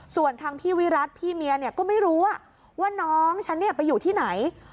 ส่วนทางพี่วิรัติพี่เมียก็ไม่รู้ว่าน้องฉันไปอยู่ที่ไหน